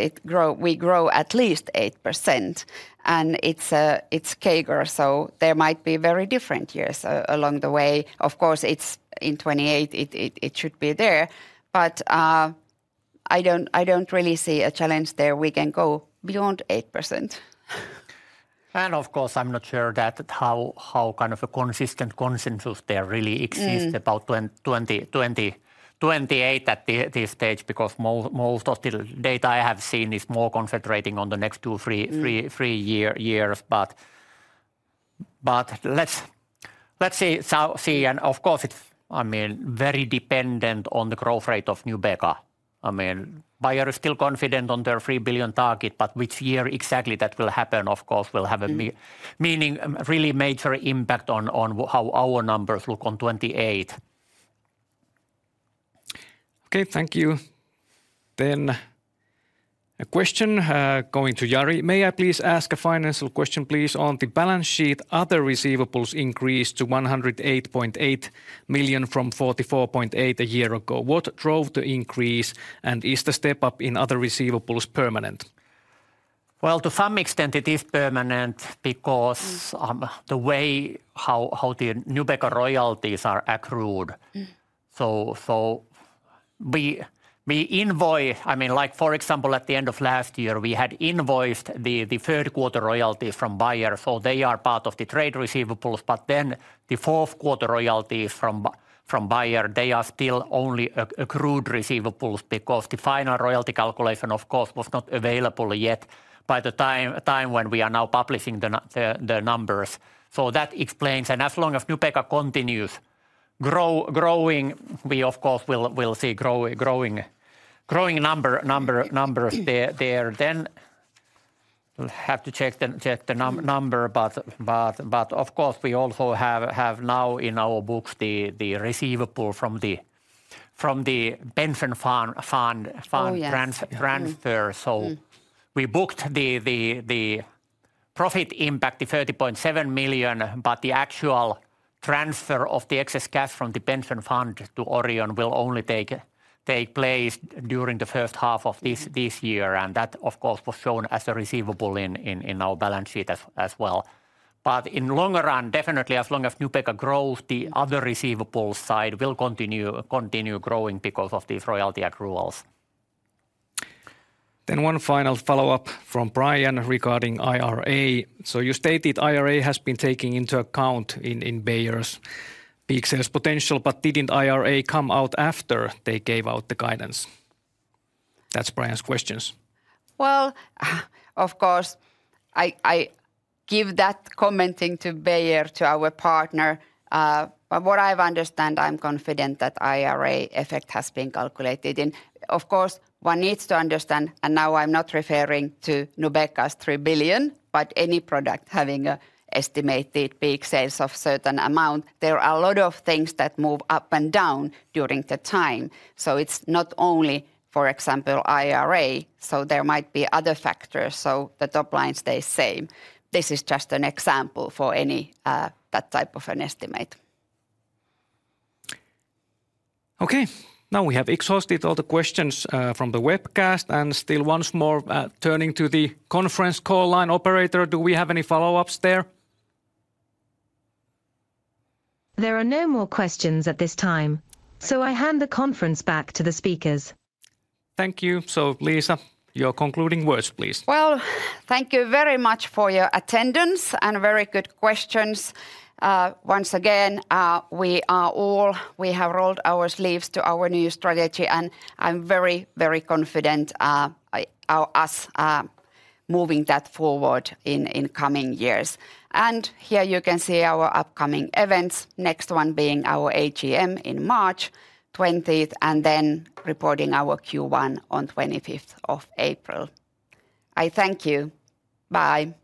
we grow at least 8%, and it's CAGR, so there might be very different years along the way. Of course, it's in 2028, it should be there, but I don't really see a challenge there. We can go beyond 8%. Of course, I'm not sure how kind of a consistent consensus there really exists- Mm... about 2020, 2028 at this stage, because most of the data I have seen is more concentrating on the next two, three- Mm... three years. But let's see. So, and of course, it's, I mean, very dependent on the growth rate of Nubeqa. I mean, Bayer is still confident on their 3 billion target, but which year exactly that will happen, of course, will have a m- Mm... meaning, really major impact on how our numbers look on 2028. Okay, thank you. Then a question, going to Jari: "May I please ask a financial question, please? On the balance sheet, other receivables increased to 108.8 million from 44.8 million a year ago. What drove the increase, and is the step up in other receivables permanent? Well, to some extent it is permanent, because- Mm... the way how the Nubeqa royalties are accrued. Mm. So we invoice. I mean, like, for example, at the end of last year, we had invoiced the third quarter royalty from Bayer, so they are part of the trade receivables. But then the fourth quarter royalty from Bayer, they are still only accrued receivables, because the final royalty calculation, of course, was not available yet by the time when we are now publishing the numbers. So that explains, and as long as Nubeqa continues growing, we of course will see growing numbers there. Mm. Then we'll have to check the nu- Mm... number, but of course, we also have now in our books the receivable from the pension fund. Oh, yes... fund trans- Mm... transfer. Mm. So we booked the profit impact, the 30.7 million, but the actual transfer of the excess cash from the pension fund to Orion will only take place during the first half of this year. And that, of course, was shown as a receivable in our balance sheet as well. But in longer run, definitely as long as Nubeqa grows, the other receivables side will continue growing because of these royalty accruals. Then one final follow-up from Brian regarding IRA. So you stated IRA has been taking into account in Bayer's peak sales potential, but didn't IRA come out after they gave out the guidance? That's Brian's questions. Well, of course, I give that commenting to Bayer, to our partner. But what I've understand, I'm confident that IRA effect has been calculated in. Of course, one needs to understand, and now I'm not referring to Nubeqa's 3 billion, but any product having a estimated peak sales of certain amount, there are a lot of things that move up and down during the time. So it's not only, for example, IRA, so there might be other factors, so the top line stays same. This is just an example for any, that type of an estimate. Okay. Now we have exhausted all the questions from the webcast, and still once more, turning to the conference call line operator, do we have any follow-ups there? There are no more questions at this time, so I hand the conference back to the speakers. Thank you. So Liisa, your concluding words, please. Well, thank you very much for your attendance and very good questions. Once again, we have rolled our sleeves to our new strategy, and I'm very, very confident in us moving that forward in coming years. And here you can see our upcoming events, next one being our AGM in March 20, and then reporting our Q1 on April 25. I thank you. Bye.